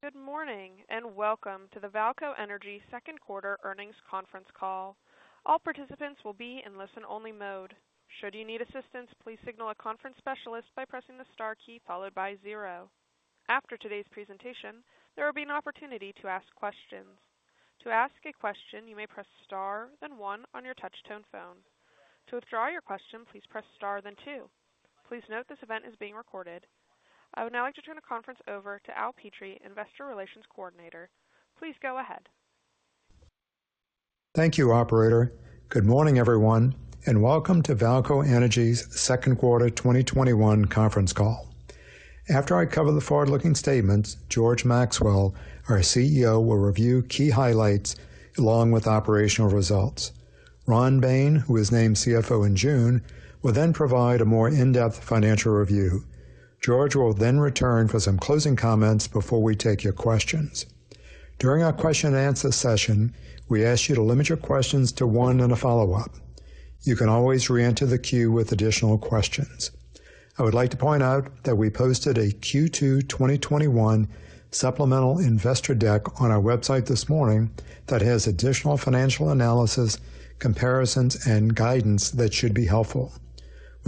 Good morning, and welcome to the VAALCO Energy Second Quarter Earnings Conference Call. All participants will be on listen-only mode. Should you need assistance please signal a conference specialist by pressing the star key followed by zero. After todays presentation there will be an opportunity to ask questions. To ask a question please press star then one on your touch tone phone, to withdraw you question please press star then two. Please notice event is being recorded. I would now like to turn the conference over to Al Petrie, Investor Relations Coordinator. Please go ahead. Thank you, operator. Good morning, everyone, and welcome to VAALCO Energy's Second Quarter 2021 Conference Call. After I cover the forward-looking statements, George Maxwell, our CEO, will review key highlights along with operational results. Ronald Bain, who was named CFO in June, will then provide a more in-depth financial review. George will then return for some closing comments before we take your questions. During our question-and-answer session, we ask you to limit your questions to one and a follow-up. You can always reenter the queue with additional questions. I would like to point out that we posted a Q2 2021 supplemental investor deck on our website this morning that has additional financial analysis, comparisons, and guidance that should be helpful.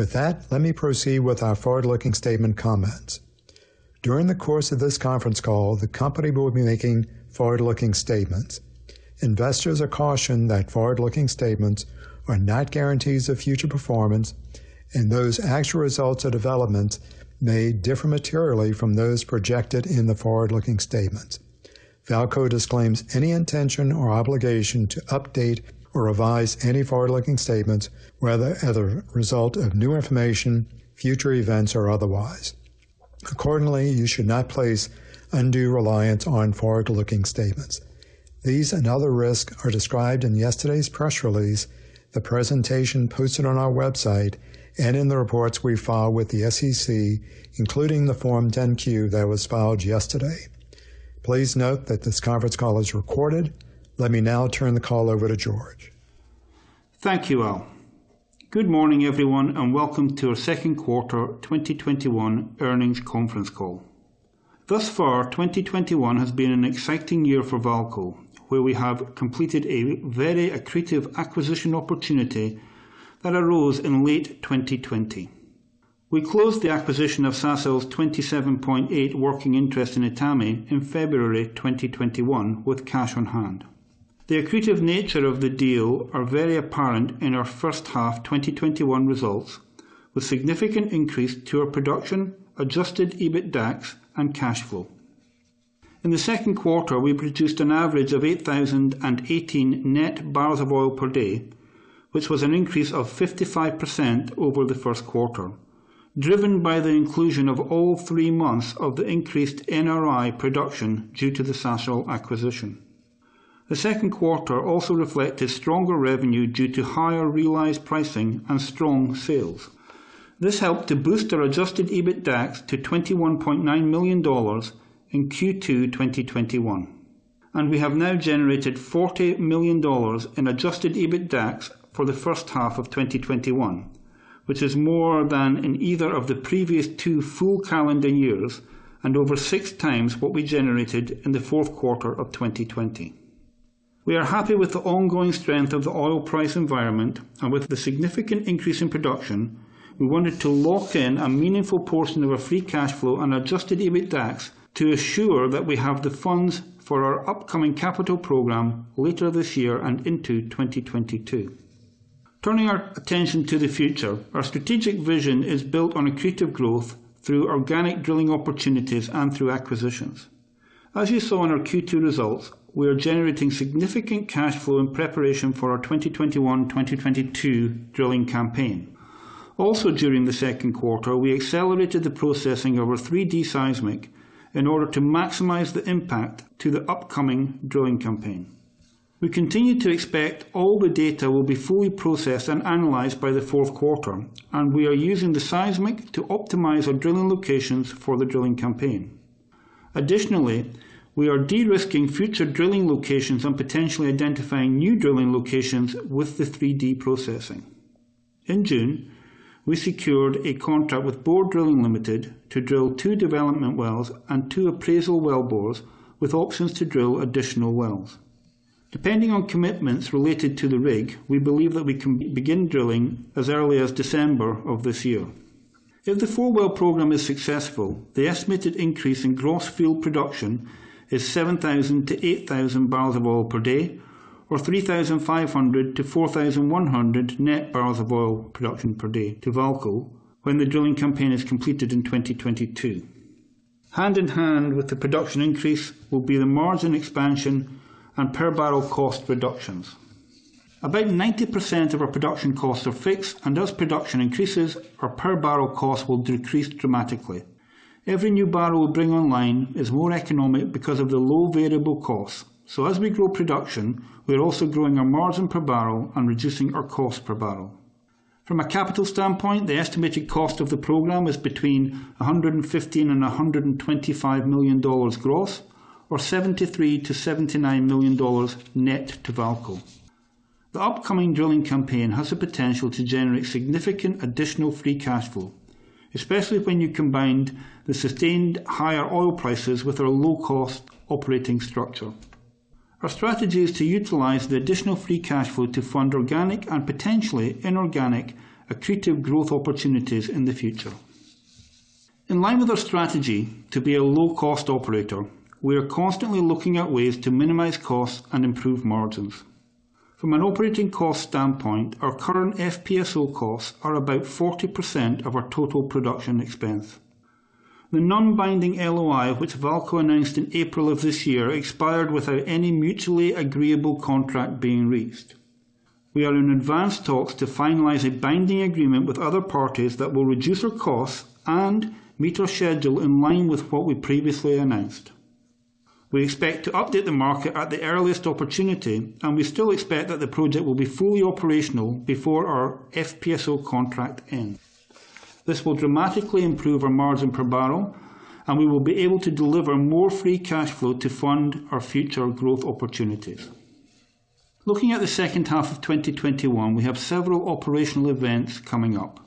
With that, let me proceed with our forward-looking statement comments. During the course of this conference call, the company will be making forward-looking statements. Investors are cautioned that forward-looking statements are not guarantees of future performance, and those actual results or developments may differ materially from those projected in the forward-looking statements. VAALCO disclaims any intention or obligation to update or revise any forward-looking statements, whether as a result of new information, future events, or otherwise. Accordingly, you should not place undue reliance on forward-looking statements. These and other risks are described in yesterday's press release, the presentation posted on our website, and in the reports we file with the SEC, including the Form 10-Q that was filed yesterday. Please note that this conference call is recorded. Let me now turn the call over to George. Thank you, Al Petrie. Good morning, everyone, and welcome to our second quarter 2021 earnings conference call. Thus far, 2021 has been an exciting year for VAALCO, where we have completed a very accretive acquisition opportunity that arose in late 2020. We closed the acquisition of Sasol's 27.8 working interest in Etame in February 2021 with cash on hand. The accretive nature of the deal are very apparent in our first half 2021 results, with significant increase to our production, adjusted EBITDAX, and cash flow. In the second quarter, we produced an average of 8,018 net barrels of oil per day, which was an increase of 55% over the first quarter, driven by the inclusion of all three months of the increased NRI production due to the Sasol acquisition. The second quarter also reflected stronger revenue due to higher realized pricing and strong sales. This helped to boost our adjusted EBITDAX to $21.9 million in Q2 2021, and we have now generated $40 million in adjusted EBITDAX for the first half of 2021, which is more than in either of the previous two full calendar years, and over six times what we generated in the fourth quarter of 2020. We are happy with the ongoing strength of the oil price environment. With the significant increase in production, we wanted to lock in a meaningful portion of our free cash flow and adjusted EBITDAX to assure that we have the funds for our upcoming capital program later this year and into 2022. Turning our attention to the future, our strategic vision is built on accretive growth through organic drilling opportunities and through acquisitions. As you saw in our Q2 results, we are generating significant cash flow in preparation for our 2021, 2022 drilling campaign. Also during the second quarter, we accelerated the processing of our 3D seismic in order to maximize the impact to the upcoming drilling campaign. We continue to expect all the data will be fully processed and analyzed by the fourth quarter, and we are using the seismic to optimize our drilling locations for the drilling campaign. Additionally, we are de-risking future drilling locations and potentially identifying new drilling locations with the 3D processing. In June, we secured a contract with Borr Drilling Limited to drill two development wells and two appraisal well bores with options to drill additional wells. Depending on commitments related to the rig, we believe that we can begin drilling as early as December of this year. If the four-well program is successful, the estimated increase in gross field production is 7,000 bbl-8,000 bbl of oil per day, or 3,500-4,100 net barrels of oil production per day to VAALCO when the drilling campaign is completed in 2022. Hand-in-hand with the production increase will be the margin expansion and per barrel cost reductions. About 90% of our production costs are fixed, as production increases, our per barrel cost will decrease dramatically. Every new barrel we bring online is more economic because of the low variable costs. As we grow production, we're also growing our margin per barrel and reducing our cost per barrel. From a capital standpoint, the estimated cost of the program is between $115 million-$125 million gross, or $73 million-$79 million net to VAALCO. The upcoming drilling campaign has the potential to generate significant additional free cash flow, especially when you combine the sustained higher oil prices with our low-cost operating structure. Our strategy is to utilize the additional free cash flow to fund organic and potentially inorganic accretive growth opportunities in the future. In line with our strategy to be a low-cost operator, we are constantly looking at ways to minimize costs and improve margins. From an operating cost standpoint, our current FPSO costs are about 40% of our total production expense. The non-binding LOI, which VAALCO announced in April of this year, expired without any mutually agreeable contract being reached. We are in advanced talks to finalize a binding agreement with other parties that will reduce our costs and meet our schedule in line with what we previously announced. We expect to update the market at the earliest opportunity, and we still expect that the project will be fully operational before our FPSO contract ends. This will dramatically improve our margin per barrel, and we will be able to deliver more free cash flow to fund our future growth opportunities. Looking at the second half of 2021, we have several operational events coming up.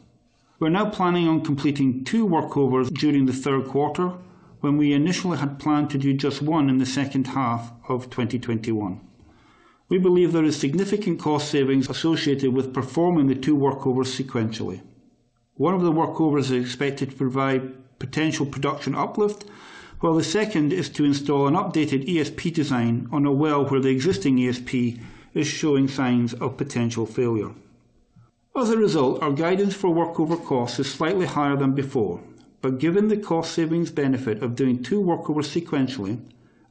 We are now planning on completing two workovers during the third quarter, when we initially had planned to do just one in the second half of 2021. We believe there is significant cost savings associated with performing the two workovers sequentially. One of the workovers is expected to provide potential production uplift, while the second is to install an updated ESP design on a well where the existing ESP is showing signs of potential failure. Given the cost savings benefit of doing two workovers sequentially,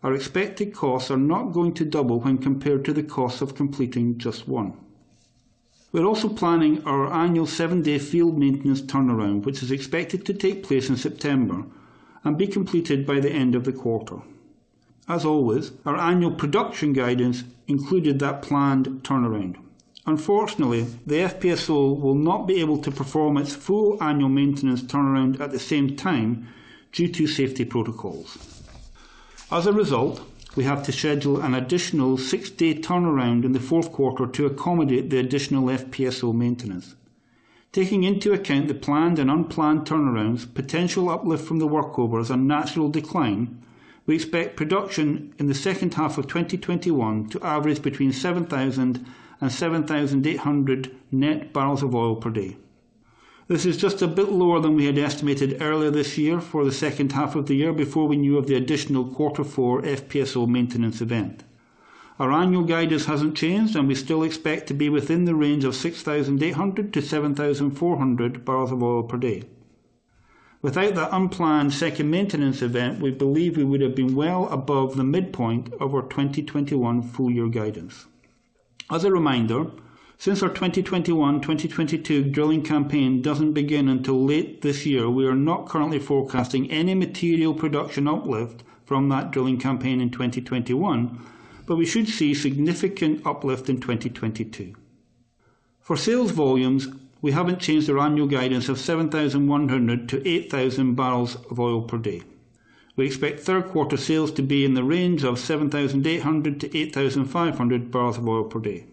our expected costs are not going to double when compared to the cost of completing just one. We are also planning our annual seven-day field maintenance turnaround, which is expected to take place in September and be completed by the end of the quarter. As always, our annual production guidance included that planned turnaround. Unfortunately, the FPSO will not be able to perform its full annual maintenance turnaround at the same time due to safety protocols. We have to schedule an additional six-day turnaround in the fourth quarter to accommodate the additional FPSO maintenance. Taking into account the planned and unplanned turnarounds, potential uplift from the workovers, and natural decline, we expect production in the second half of 2021 to average between 7,000 and 7,800 net barrels of oil per day. This is just a bit lower than we had estimated earlier this year for the second half of the year before we knew of the additional quarter four FPSO maintenance event. Our annual guidance hasn't changed, and we still expect to be within the range of 6,800 bbl-7,400 bbl of oil per day. Without the unplanned second maintenance event, we believe we would have been well above the midpoint of our 2021 full year guidance. As a reminder, since our 2021/2022 drilling campaign doesn't begin until late this year, we are not currently forecasting any material production uplift from that drilling campaign in 2021, but we should see significant uplift in 2022. For sales volumes, we haven't changed our annual guidance of 7,100 bbl of oil per day-8,000 bbl of oil per day. We expect third quarter sales to be in the range of 7,800 bbl of oil per day-8,500 bbl of oil per day.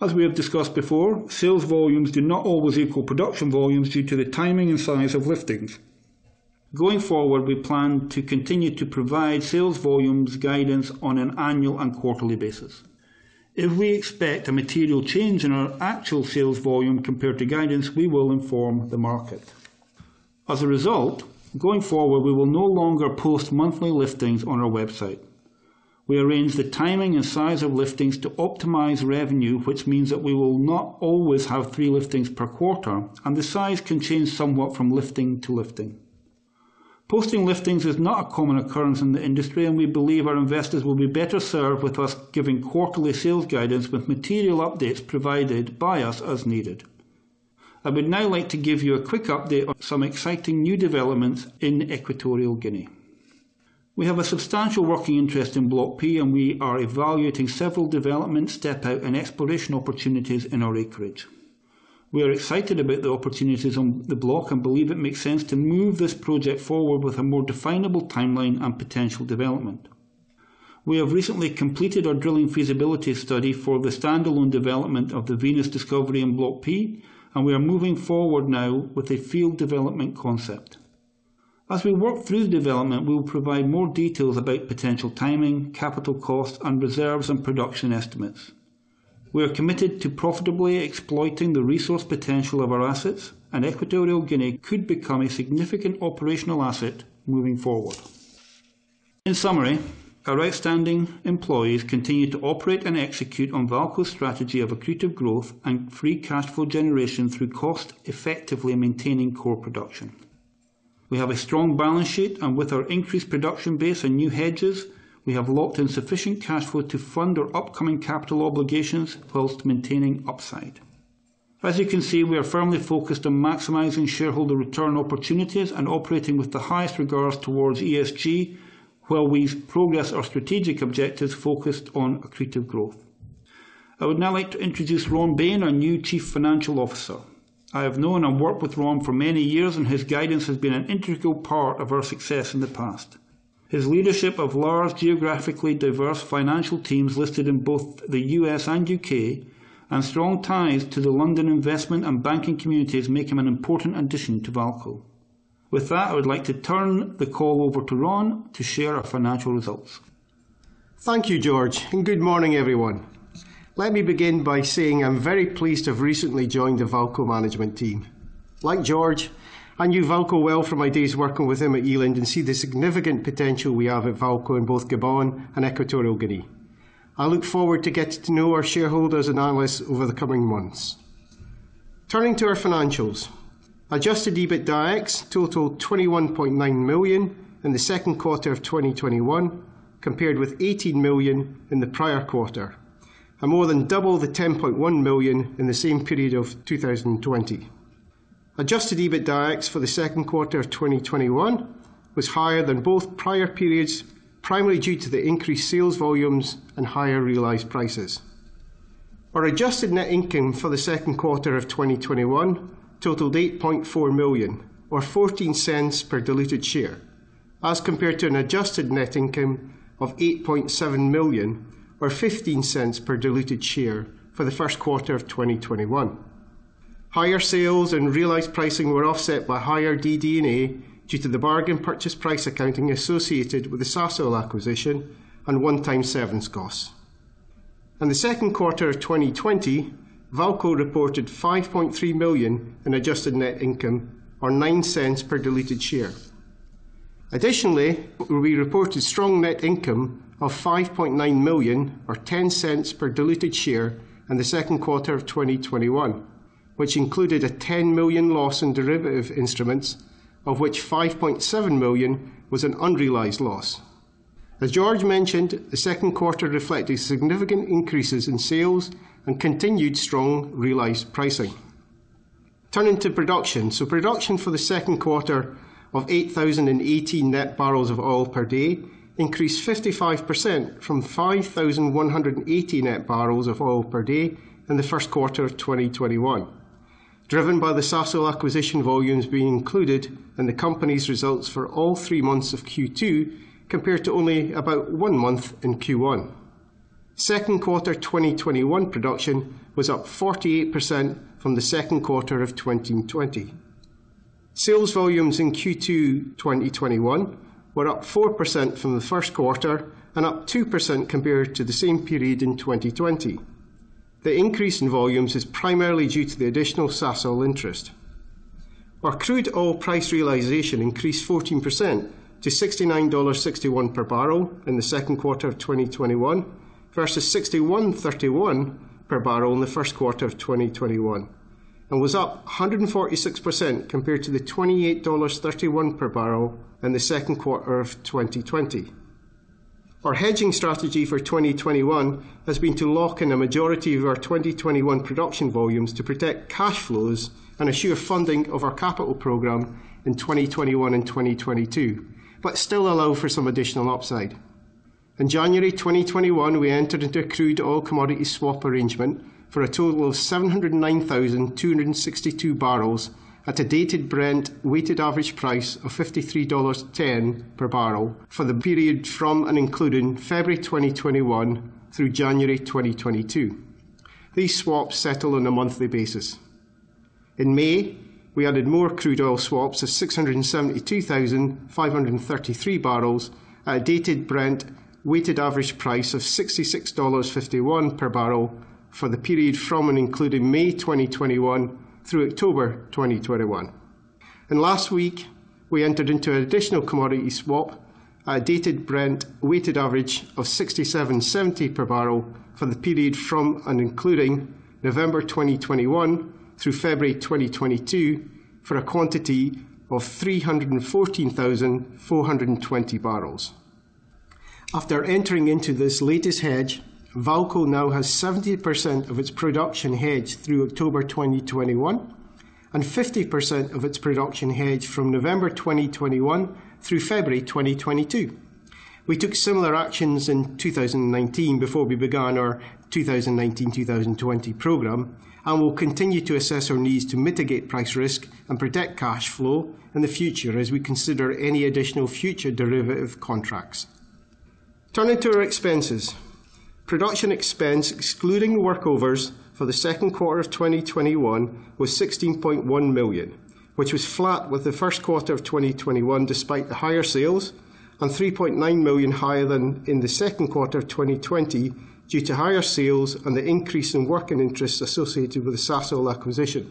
As we have discussed before, sales volumes do not always equal production volumes due to the timing and size of liftings. Going forward, we plan to continue to provide sales volumes guidance on an annual and quarterly basis. If we expect a material change in our actual sales volume compared to guidance, we will inform the market. As a result, going forward, we will no longer post monthly liftings on our website. We arrange the timing and size of liftings to optimize revenue, which means that we will not always have three liftings per quarter, and the size can change somewhat from lifting to lifting. Posting liftings is not a common occurrence in the industry, and we believe our investors will be better served with us giving quarterly sales guidance with material updates provided by us as needed. I would now like to give you a quick update on some exciting new developments in Equatorial Guinea. We have a substantial working interest in Block P, and we are evaluating several development step out and exploration opportunities in our acreage. We are excited about the opportunities on the block and believe it makes sense to move this project forward with a more definable timeline and potential development. We have recently completed our drilling feasibility study for the standalone development of the Venus discovery in Block P, and we are moving forward now with a field development concept. As we work through the development, we will provide more details about potential timing, capital costs, and reserves and production estimates. We are committed to profitably exploiting the resource potential of our assets, and Equatorial Guinea could become a significant operational asset moving forward. In summary, our outstanding employees continue to operate and execute on VAALCO's strategy of accretive growth and free cash flow generation through cost effectively maintaining core production. We have a strong balance sheet, and with our increased production base and new hedges, we have locked in sufficient cash flow to fund our upcoming capital obligations whilst maintaining upside. As you can see, we are firmly focused on maximizing shareholder return opportunities and operating with the highest regards towards ESG while we progress our strategic objectives focused on accretive growth. I would now like to introduce Ronald Bain, our new Chief Financial Officer. I have known and worked with Ron for many years, and his guidance has been an integral part of our success in the past. His leadership of large, geographically diverse financial teams listed in both the U.S. and U.K., and strong ties to the London investment and banking communities make him an important addition to VAALCO. With that, I would like to turn the call over to Ron to share our financial results. Thank you, George, and good morning, everyone. Let me begin by saying I'm very pleased to have recently joined the VAALCO Management team. Like George, I knew VAALCO well from my days working with him at Eland and see the significant potential we have at VAALCO in both Gabon and Equatorial Guinea. I look forward to getting to know our shareholders and analysts over the coming months. Turning to our financials. Adjusted EBITDAX totaled $21.9 million in the second quarter of 2021, compared with $18 million in the prior quarter, and more than double the $10.1 million in the same period of 2020. Adjusted EBITDAX for the second quarter of 2021 was higher than both prior periods, primarily due to the increased sales volumes and higher realized prices. Our adjusted net income for the second quarter of 2021 totaled $8.4 million, or $0.14 per diluted share, as compared to an adjusted net income of $8.7 million, or $0.15 per diluted share for the first quarter of 2021. Higher sales and realized pricing were offset by higher DD&A due to the bargain purchase price accounting associated with the Sasol acquisition and one-time severance costs. In the second quarter of 2020, VAALCO reported $5.3 million in adjusted net income, or $0.09 per diluted share. Additionally, we reported strong net income of $5.9 million, or $0.10 per diluted share in the second quarter of 2021, which included a $10 million loss in derivative instruments, of which $5.7 million was an unrealized loss. As George mentioned, the second quarter reflected significant increases in sales and continued strong realized pricing. Turning to production. Production for the second quarter of 8,018 net barrels of oil per day increased 55% from 5,180 net barrels of oil per day in the first quarter of 2021, driven by the Sasol acquisition volumes being included in the company's results for all three months of Q2 compared to only about one month in Q1. Second quarter 2021 production was up 48% from the second quarter of 2020. Sales volumes in Q2 2021 were up 4% from the first quarter and up 2% compared to the same period in 2020. The increase in volumes is primarily due to the additional Sasol interest. Our crude oil price realization increased 14% to $69.61 per barrel in the second quarter of 2021 versus $61.31 per barrel in the first quarter of 2021, and was up 146% compared to the $28.31 per barrel in the second quarter of 2020. Our hedging strategy for 2021 has been to lock in a majority of our 2021 production volumes to protect cash flows and assure funding of our capital program in 2021 and 2022, but still allow for some additional upside. In January 2021, we entered into a crude oil commodity swap arrangement for a total of 709,262 barrels at a dated Brent weighted average price of $53.10 per barrel for the period from and including February 2021 through January 2022. These swaps settle on a monthly basis. In May, we added more crude oil swaps of 672,533 barrels at a dated Brent weighted average price of $66.51 per barrel for the period from and including May 2021 through October 2021. Last week, we entered into an additional commodity swap at a dated Brent weighted average of $67.70 per barrel for the period from and including November 2021 through February 2022 for a quantity of 314,420 bbl. After entering into this latest hedge, VAALCO now has 70% of its production hedged through October 2021 and 50% of its production hedged from November 2021 through February 2022. We took similar actions in 2019 before we began our 2019/2020 program and will continue to assess our needs to mitigate price risk and protect cash flow in the future as we consider any additional future derivative contracts. Turning to our expenses. Production expense excluding workovers for the second quarter of 2021 was $16.1 million, which was flat with the first quarter of 2021 despite the higher sales and $3.9 million higher than in the second quarter of 2020 due to higher sales and the increase in working interest associated with the Sasol acquisition.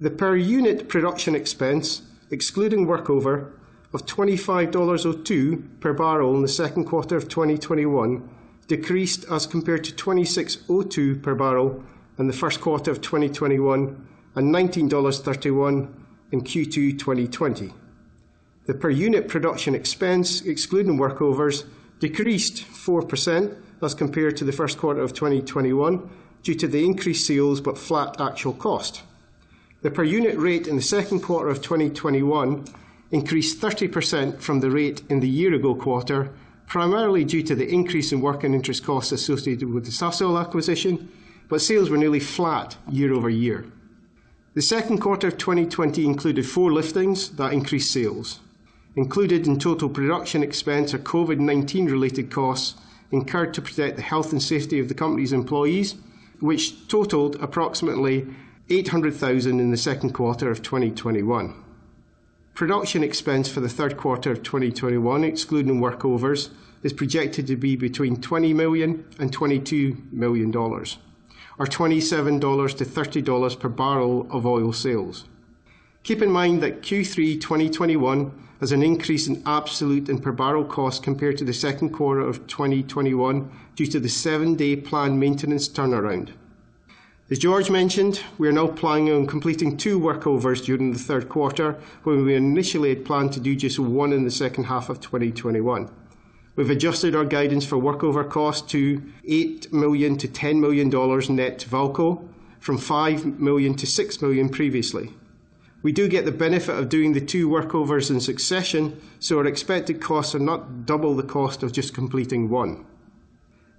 The per-unit production expense, excluding workovers, of $25.02 per barrel in the second quarter of 2021 decreased as compared to $26.02 per barrel in the first quarter of 2021 and $19.31 in Q2 2020. The per-unit production expense, excluding workovers, decreased 4% as compared to the first quarter of 2021 due to the increased sales but flat actual cost. The per-unit rate in the second quarter of 2021 increased 30% from the rate in the year-ago quarter, primarily due to the increase in working interest costs associated with the Sasol acquisition. Sales were nearly flat year-over-year. The second quarter of 2020 included four liftings that increased sales. Included in total production expense are COVID-19 related costs incurred to protect the health and safety of the company's employees, which totaled approximately $800,000 in the second quarter of 2021. Production expense for the third quarter of 2021, excluding workovers, is projected to be between $20 million and $22 million, or $27 to $30 per barrel of oil sales. Keep in mind that Q3 2021 has an increase in absolute and per barrel cost compared to the second quarter of 2021 due to the seven-day planned maintenance turnaround. As George mentioned, we are now planning on completing two workovers during the third quarter, where we initially had planned to do just one in the second half of 2021. We've adjusted our guidance for workover cost to $8 million-$10 million net to VAALCO from $5 million-$6 million previously. We do get the benefit of doing the two workovers in succession, so our expected costs are not double the cost of just completing one.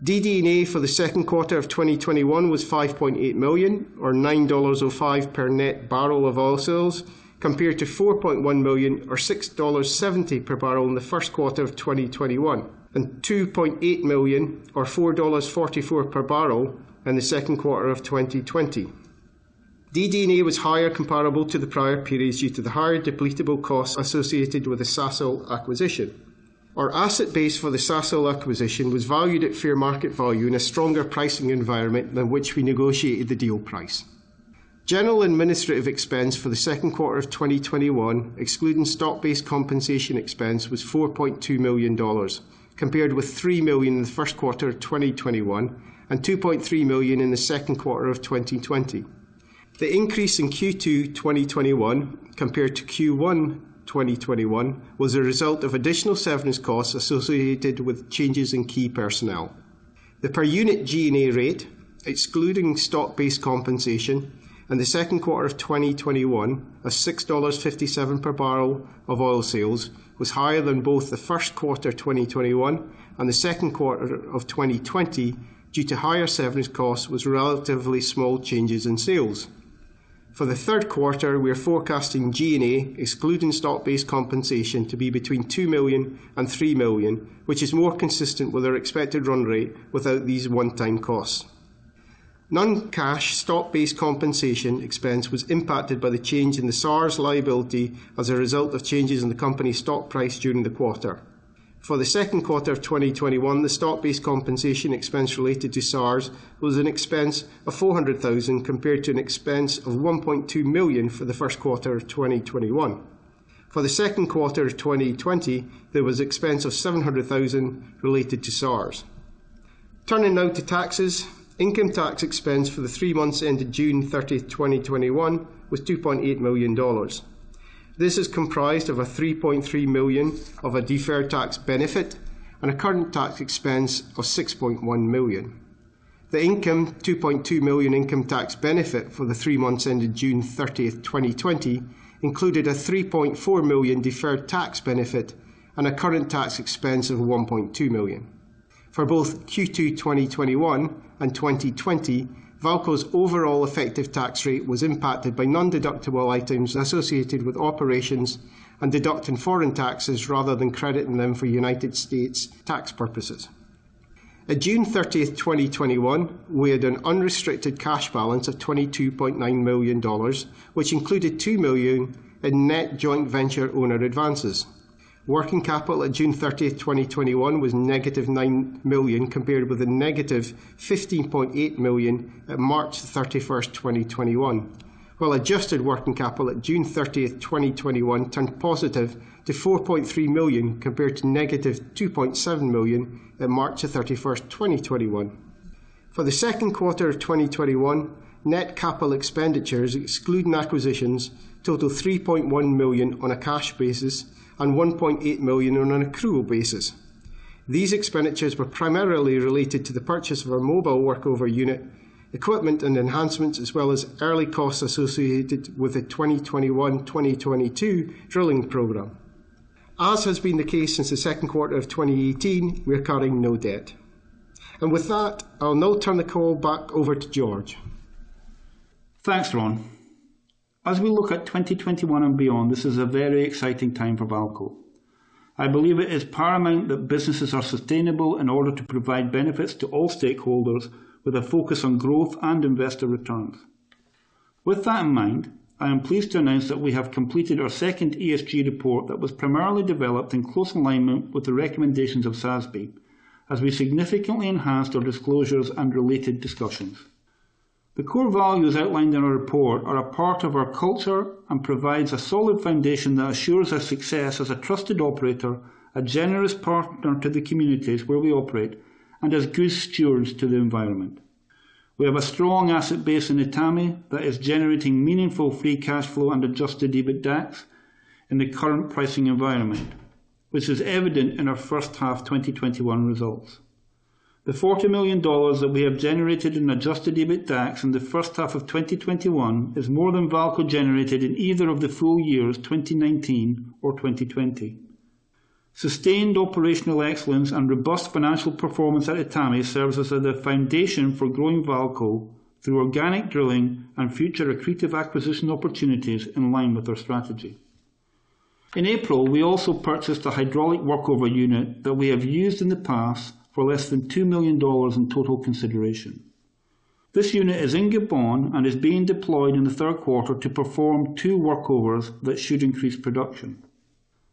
DD&A for the second quarter of 2021 was $5.8 million, or $9.05 per net barrel of oil sales, compared to $4.1 million or $6.70 per barrel in the first quarter of 2021, and $2.8 million or $4.44 per barrel in the second quarter of 2020. DD&A was higher comparable to the prior periods due to the higher depletable costs associated with the Sasol acquisition. Our asset base for the Sasol acquisition was valued at fair market value in a stronger pricing environment than which we negotiated the deal price. General and administrative expense for the second quarter of 2021, excluding stock-based compensation expense, was $4.2 million, compared with $3 million in the first quarter of 2021 and $2.3 million in the second quarter of 2020. The increase in Q2 2021 compared to Q1 2021 was a result of additional severance costs associated with changes in key personnel. The per unit G&A rate, excluding stock-based compensation, in the second quarter of 2021, was $6.57 per barrel of oil sales, was higher than both the first quarter 2021 and the second quarter of 2020 due to higher severance costs with relatively small changes in sales. For the third quarter, we are forecasting G&A, excluding stock-based compensation, to be between $2 million and $3 million, which is more consistent with our expected run rate without these one-time costs. Non-cash stock-based compensation expense was impacted by the change in the SARs liability as a result of changes in the company's stock price during the quarter. For the second quarter of 2021, the stock-based compensation expense related to SARs was an expense of $400,000 compared to an expense of $1.2 million for the first quarter of 2021. For the second quarter of 2020, there was expense of $700,000 related to SARs. Turning now to taxes. Income tax expense for the three months ended June 30th, 2021 was $2.8 million. This is comprised of a $3.3 million of a deferred tax benefit and a current tax expense of $6.1 million. The income, $2.2 million income tax benefit for the three months ended June 30, 2020, included a $3.4 million deferred tax benefit and a current tax expense of $1.2 million. For both Q2 2021 and 2020, VAALCO's overall effective tax rate was impacted by non-deductible items associated with operations and deducting foreign taxes rather than crediting them for United States tax purposes. At June 30, 2021, we had an unrestricted cash balance of $22.9 million, which included $2 million in net joint venture owner advances. Working capital at June 30, 2021, was negative $9 million, compared with a negative $15.8 million at March 31, 2021. While adjusted working capital at June 30, 2021, turned positive to $4.3 million compared to negative $2.7 million at March 31, 2021. For the second quarter of 2021, net capital expenditures excluding acquisitions total $3.1 million on a cash basis and $1.8 million on an accrual basis. These expenditures were primarily related to the purchase of our mobile workover unit, equipment and enhancements, as well as early costs associated with the 2021, 2022 drilling program. As has been the case since the second quarter of 2018, we are carrying no debt. With that, I'll now turn the call back over to George. Thanks, Ron. As we look at 2021 and beyond, this is a very exciting time for VAALCO. I believe it is paramount that businesses are sustainable in order to provide benefits to all stakeholders with a focus on growth and investor returns. With that in mind, I am pleased to announce that we have completed our second ESG report that was primarily developed in close alignment with the recommendations of SASB, as we significantly enhanced our disclosures and related discussions. The core values outlined in our report are a part of our culture and provides a solid foundation that assures our success as a trusted operator, a generous partner to the communities where we operate, and as good stewards to the environment. We have a strong asset base in Etame that is generating meaningful free cash flow and adjusted EBITDAX in the current pricing environment, which is evident in our first half 2021 results. The $40 million that we have generated in adjusted EBITDAX in the first half of 2021 is more than VAALCO generated in either of the full years 2019 or 2020. Sustained operational excellence and robust financial performance at Etame serves as the foundation for growing VAALCO through organic drilling and future accretive acquisition opportunities in line with our strategy. In April, we also purchased a hydraulic workover unit that we have used in the past for less than $2 million in total consideration. This unit is in Gabon and is being deployed in the third quarter to perform two workovers that should increase production.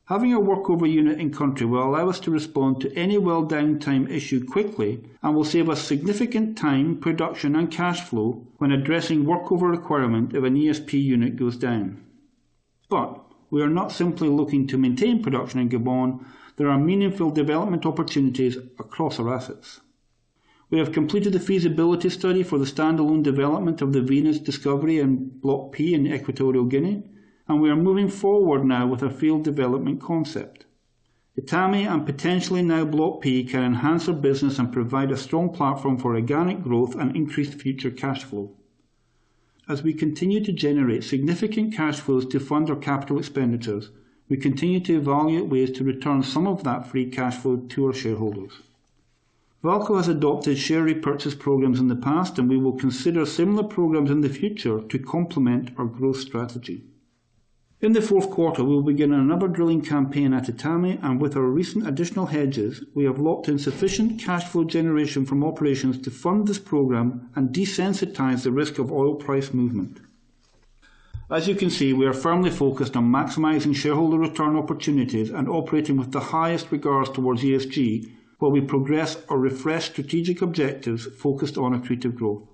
Having a workover unit in country will allow us to respond to any well downtime issue quickly and will save us significant time, production, and cash flow when addressing workover requirement if an ESP unit goes down. We are not simply looking to maintain production in Gabon. There are meaningful development opportunities across our assets. We have completed the feasibility study for the standalone development of the Venus discovery in Block P in Equatorial Guinea, and we are moving forward now with our field development concept. Etame and potentially now Block P can enhance our business and provide a strong platform for organic growth and increased future cash flow. As we continue to generate significant cash flows to fund our capital expenditures, we continue to evaluate ways to return some of that free cash flow to our shareholders. VAALCO has adopted share repurchase programs in the past, and we will consider similar programs in the future to complement our growth strategy. In the fourth quarter, we'll begin another drilling campaign at Etame, and with our recent additional hedges, we have locked in sufficient cash flow generation from operations to fund this program and desensitize the risk of oil price movement. As you can see, we are firmly focused on maximizing shareholder return opportunities and operating with the highest regards towards ESG while we progress our refreshed strategic objectives focused on accretive growth.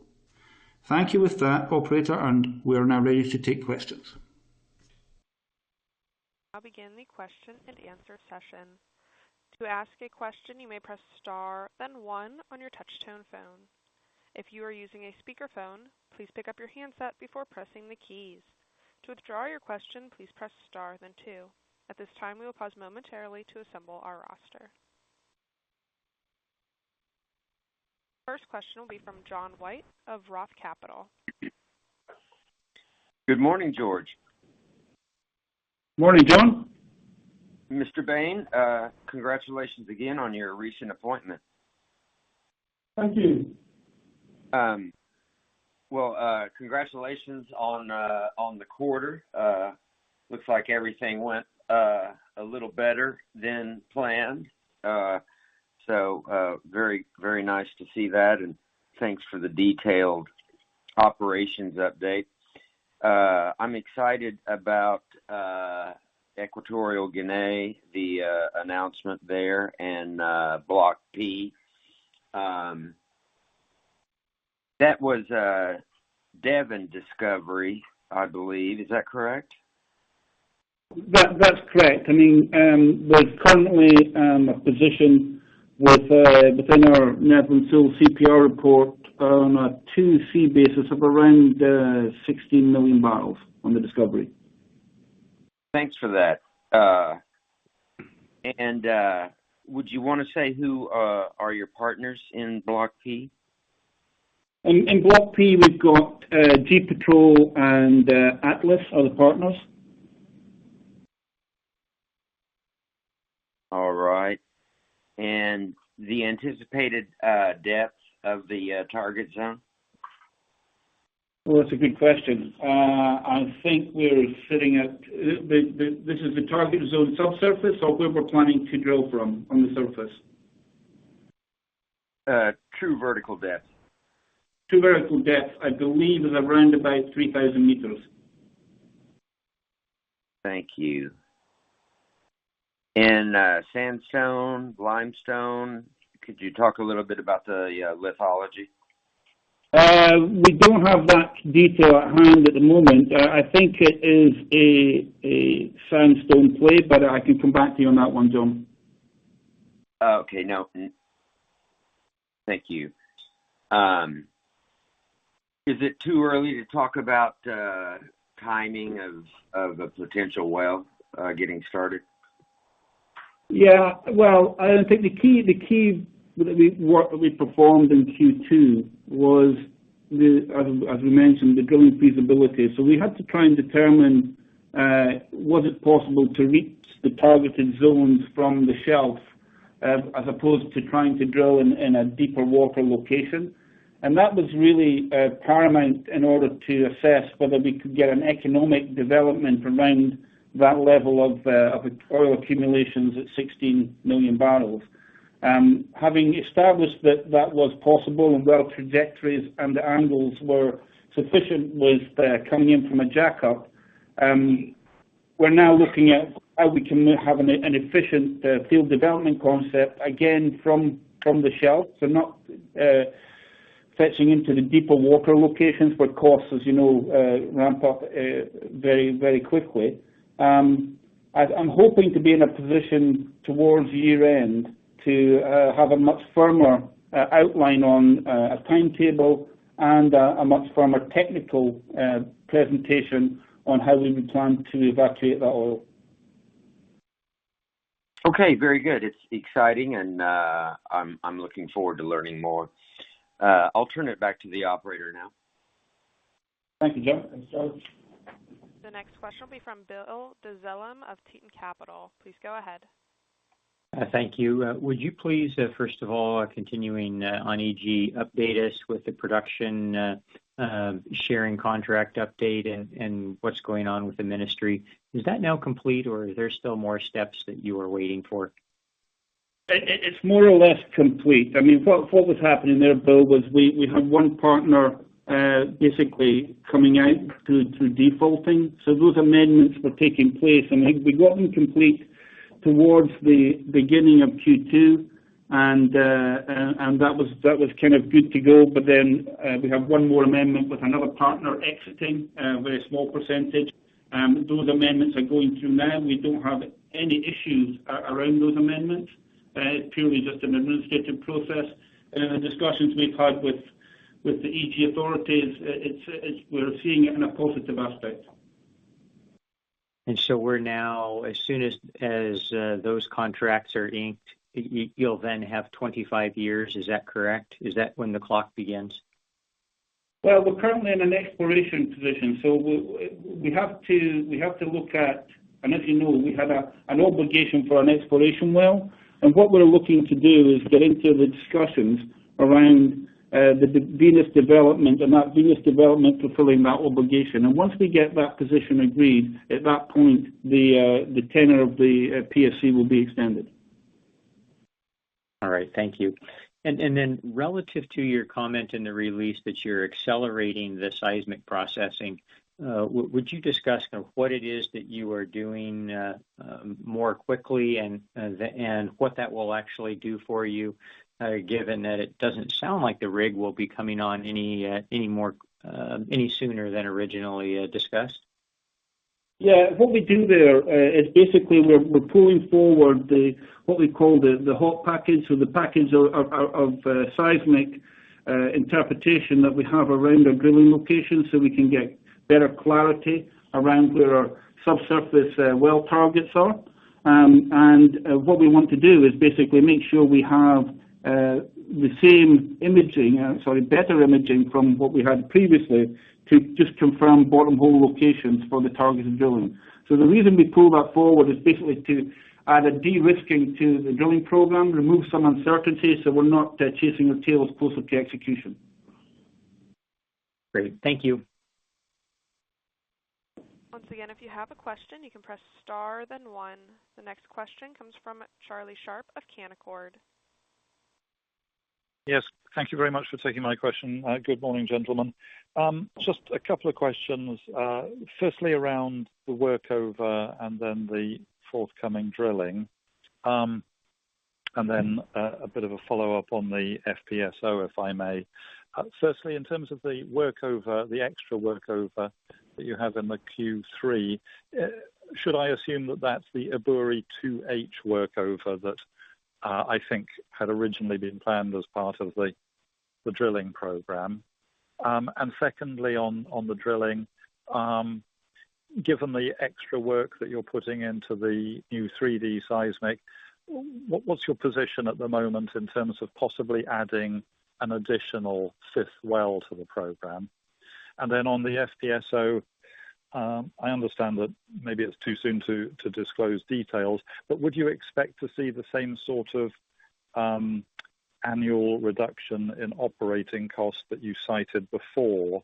Thank you with that, operator, and we are now ready to take questions. I’ll begin the question and answer session. To ask a question you may press star and one on your touch tone phone. If you are using a speaker phone please pick up your handset before pressing the keys. To withdraw you question please press star then two. At this time we will pause momentarily to assemble our roster. First question will be from John White of ROTH Capital Partners. Good morning, George. Morning, John. Mr. Bain, congratulations again on your recent appointment. Thank you. Well, congratulations on the quarter. Looks like everything went a little better than planned. Very nice to see that, and thanks for the detailed operations update. I'm excited about Equatorial Guinea, the announcement there in Block P. That was a Devon discovery, I believe. Is that correct? That's correct. There's currently a position within our net unrisked CPR report on a 2C basis of around 16 million barrels on the discovery. Thanks for that. Would you want to say who are your partners in Block P? In Block P, we've got GEPetrol and Atlas are the partners. All right. The anticipated depth of the target zone? Well, that's a good question. This is the target zone subsurface, so where we're planning to drill from on the surface. True vertical depth. True vertical depth, I believe, is around about 3,000 m. Thank you. Sandstone, limestone, could you talk a little bit about the lithology? We don't have that detail at hand at the moment. I think it is a sandstone play, I can come back to you on that one, John White. Okay. No, thank you. Is it too early to talk about timing of the potential well getting started? Yeah. Well, I think the key work that we performed in Q2 was, as we mentioned, the drilling feasibility. We had to try and determine, was it possible to reach the targeted zones from the shelf as opposed to trying to drill in a deeper water location. That was really paramount in order to assess whether we could get an economic development around that level of oil accumulations at 16 million barrels. Having established that that was possible and well trajectories and the angles were sufficient with coming in from a jackup, we're now looking at how we can have an efficient field development concept, again, from the shelf, so not fetching into the deeper water locations where costs, as you know, ramp up very quickly. I'm hoping to be in a position towards year-end to have a much firmer outline on a timetable and a much firmer technical presentation on how we would plan to evacuate that oil. Okay. Very good. It's exciting and I'm looking forward to learning more. I'll turn it back to the operator now. Thank you, John. Thanks, John. The next question will be from Bill Dezellem of Tieton Capital Management. Please go ahead. Thank you. Would you please, first of all, continuing on EG, update us with the production sharing contract update and what is going on with the ministry. Is that now complete, or are there still more steps that you are waiting for? It's more or less complete. What was happening there, Bill, was we had one partner basically coming out through defaulting. Those amendments were taking place. I think we'd gotten complete towards the beginning of Q2. That was kind of good to go. We have one more amendment with another partner exiting with a small percentage. Those amendments are going through now. We don't have any issues around those amendments. It's purely just an administrative process. Discussions we've had with the EG authorities, we're seeing it in a positive aspect. We're now, as soon as those contracts are inked, you'll then have 25 years. Is that correct? Is that when the clock begins? Well, we're currently in an exploration position. As you know, we had an obligation for an exploration well. What we're looking to do is get into the discussions around the Venus development and that Venus development fulfilling that obligation. Once we get that position agreed, at that point, the tenure of the PSC will be extended. All right, thank you. Relative to your comment in the release that you're accelerating the seismic processing, would you discuss what it is that you are doing more quickly and what that will actually do for you, given that it doesn't sound like the rig will be coming on any sooner than originally discussed? Yeah. What we do there is basically, we're pulling forward the, what we call the hot package or the package of seismic interpretation that we have around our drilling location, so we can get better clarity around where our subsurface well targets are. What we want to do is basically make sure we have the same imaging, sorry, better imaging from what we had previously to just confirm bottom hole locations for the targeted drilling. The reason we pull that forward is basically to add a de-risking to the drilling program, remove some uncertainty so we're not chasing our tails close up to execution. Great. Thank you. Once again, if you have a question, you can press star then one. The next question comes from Charlie Sharp of Canaccord. Yes. Thank you very much for taking my question. Good morning, gentlemen. Just a couple of questions. Firstly, around the workover, then the forthcoming drilling. Then a bit of a follow-up on the FPSO, if I may. Firstly, in terms of the workover, the extra workover that you have in the Q3, should I assume that that's the Ebouri-2H workover that I think had originally been planned as part of the drilling program? Secondly, on the drilling, given the extra work that you're putting into the new 3D seismic, what's your position at the moment in terms of possibly adding an additional fifth well to the program? On the FPSO, I understand that maybe it's too soon to disclose details, but would you expect to see the same sort of annual reduction in operating costs that you cited before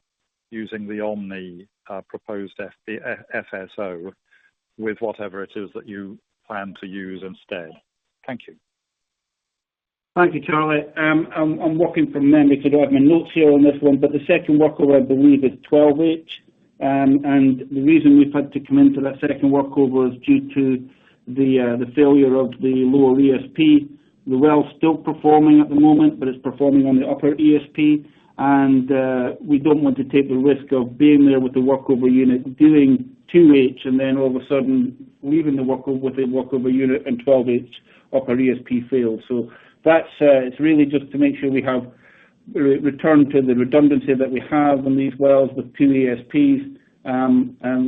using the Omni proposed FSO with whatever it is that you plan to use instead? Thank you. Thank you, Charlie. I'm working from memory. Don't have my notes here on this one. The second workover, I believe, is 12H. The reason we've had to come into that second workover is due to the failure of the lower ESP. The well's still performing at the moment, but it's performing on the upper ESP, and we don't want to take the risk of being there with the workover unit doing 2H and then all of a sudden leaving the workover unit and 12H upper ESP fails. It's really just to make sure we have return to the redundancy that we have on these wells with two ESPs.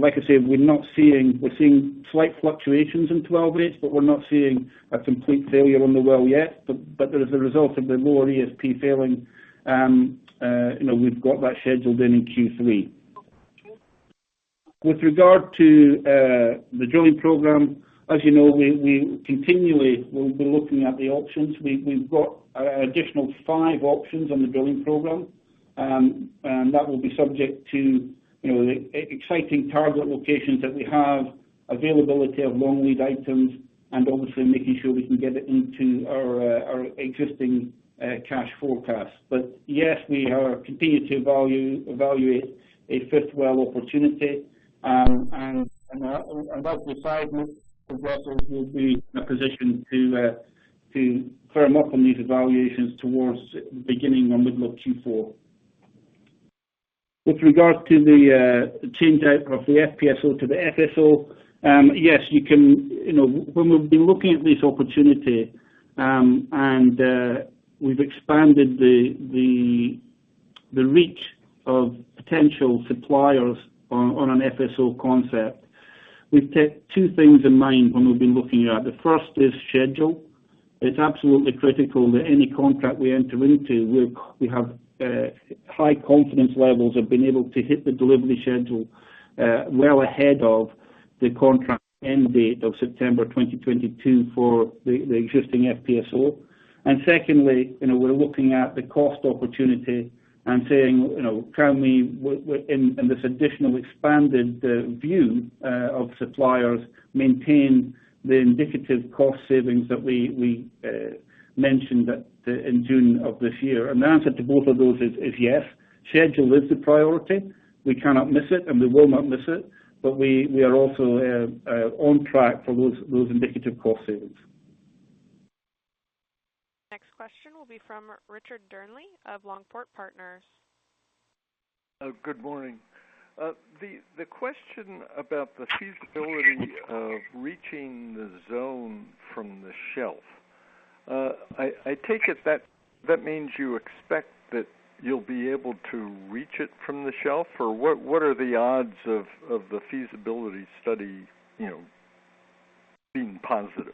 Like I said, we're seeing slight fluctuations in 12H, but we're not seeing a complete failure on the well yet. As a result of the lower ESP failing, we've got that scheduled in in Q3. With regard to the drilling program, as you know, we continually will be looking at the options. We've got additional five options on the drilling program, and that will be subject to exciting target locations that we have, availability of long lead items, and obviously making sure we can get it into our existing cash forecast. Yes, we are continuing to evaluate a fifth well opportunity. As we decide, we also will be in a position to firm up on these evaluations towards beginning or middle of Q4. With regard to the change out of the FPSO to the FSO, yes, when we've been looking at this opportunity, and we've expanded the reach of potential suppliers on an FSO concept. We've kept two things in mind when we've been looking at it. The first is schedule. It's absolutely critical that any contract we enter into, we have high confidence levels of being able to hit the delivery schedule well ahead of the contract end date of September 2022 for the existing FPSO. Secondly, we're looking at the cost opportunity and saying, can we, in this additional expanded view of suppliers, maintain the indicative cost savings that we mentioned in June of this year? The answer to both of those is yes. Schedule is the priority. We cannot miss it, and we will not miss it. We are also on track for those indicative cost savings. Next question will be from Richard Dearnley of Longport Partners. Oh, good morning. The question about the feasibility of reaching the zone from the shelf. I take it that means you expect that you'll be able to reach it from the shelf? What are the odds of the feasibility study being positive?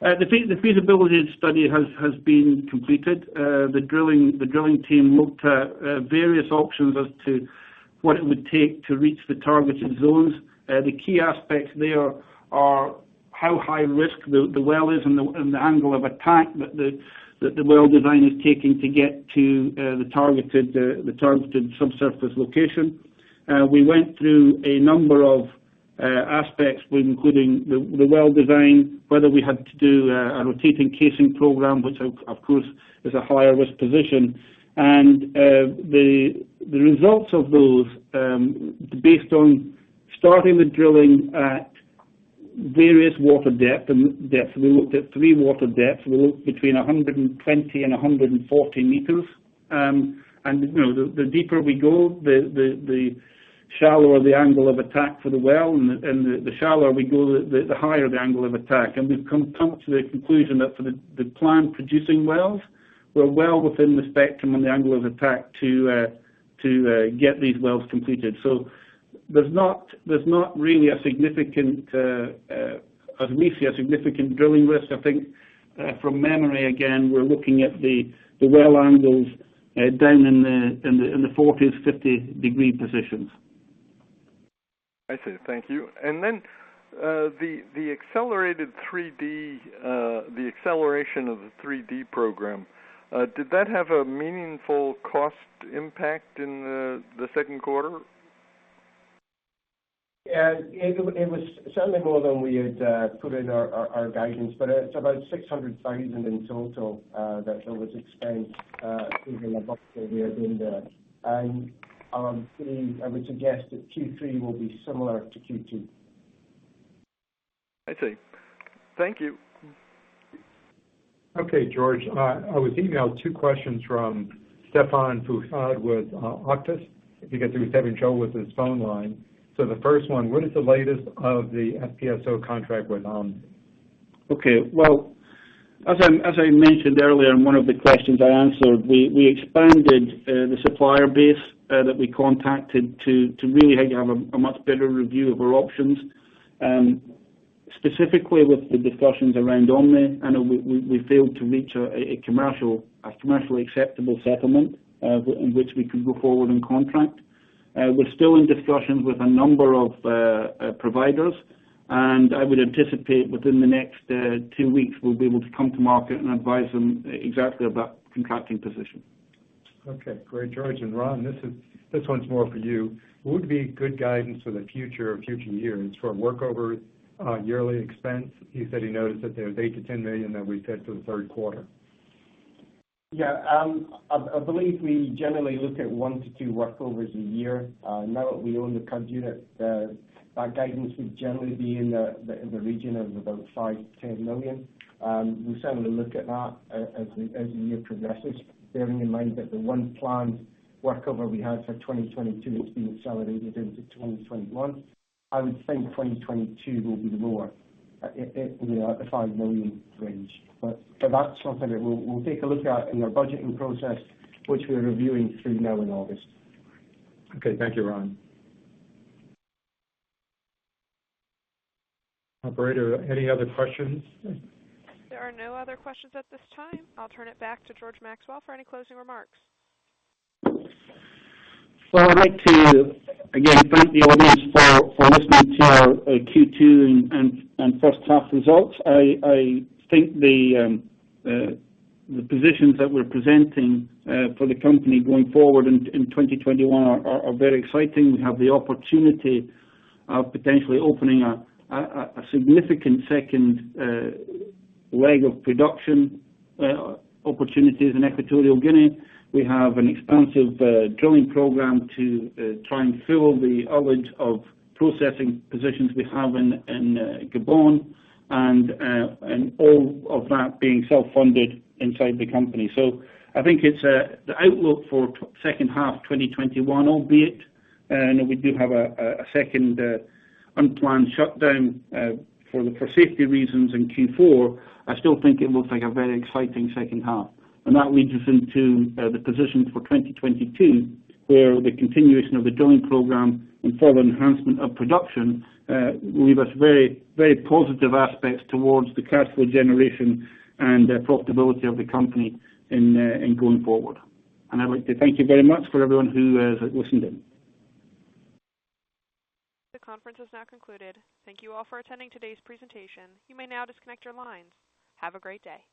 The feasibility study has been completed. The drilling team looked at various options as to what it would take to reach the targeted zones. The key aspects there are how high risk the well is and the angle of attack that the well design is taking to get to the targeted subsurface location. We went through a number of aspects, including the well design, whether we had to do a rotating casing program, which, of course, is a higher risk position. The results of those, based on starting the drilling at various water depth. We looked at three water depths. We looked between 120 m and 140 m. The deeper we go, the shallower the angle of attack for the well, and the shallower we go, the higher the angle of attack. We've come to the conclusion that for the planned producing wells, we're well within the spectrum and the angle of attack to get these wells completed. There's not really a significant, at least a significant drilling risk. I think, from memory again, we're looking at the well angles down in the 40s, 50-degree positions. I see. Thank you. The acceleration of the 3D program, did that have a meaningful cost impact in the second quarter? Yeah. It was certainly more than we had put in our guidance, but it's about $600,000 in total that was expensed during the quarter. I would suggest that Q3 will be similar to Q2. I see. Thank you. Okay, George, I was emailed two questions from Stephane Foucaud with Auctus. I think he was having trouble with his phone line. The first one, what is the latest of the FPSO contract with Omni? Okay. Well, as I mentioned earlier in one of the questions I answered, we expanded the supplier base that we contacted to really have a much better review of our options, specifically with the discussions around Omni. I know we failed to reach a commercially acceptable settlement in which we can go forward and contract. We're still in discussions with a number of providers, and I would anticipate within the next two weeks, we'll be able to come to market and advise them exactly of that contracting position. Okay, great, George. Ron, this one's more for you. What would be good guidance for the future or future years for workover yearly expense? You said you noticed that there's $8 million-$10 million that we set for the third quarter. Yeah. I believe we generally look at one to two workovers a year. Now that we own the [HWU], that guidance would generally be in the region of about $5 million to $10 million. We certainly look at that as the year progresses, bearing in mind that the one planned workover we had for 2022 has been accelerated into 2021. I would think 2022 will be lower, in the $5 million range. That's something that we'll take a look at in our budgeting process, which we're reviewing through now in August. Okay. Thank you, Ron. Operator, any other questions? There are no other questions at this time. I will turn it back to George Maxwell for any closing remarks. I'd like to, again, thank the audience for listening to our Q2 and first half results. I think the positions that we're presenting for the company going forward in 2021 are very exciting. We have the opportunity of potentially opening a significant second leg of production opportunities in Equatorial Guinea. We have an expansive drilling program to try and fill the void of processing positions we have in Gabon, and all of that being self-funded inside the company. I think it's the outlook for second half 2021, albeit, I know we do have a second unplanned shutdown for safety reasons in Q4. I still think it looks like a very exciting second half. That leads us into the position for 2022, where the continuation of the drilling program and further enhancement of production leave us very positive aspects towards the cash flow generation and profitability of the company in going forward. I would like to thank you very much for everyone who has listened in. The conference is now concluded. Thank you all for attending today's presentation. You may now disconnect your lines. Have a great day.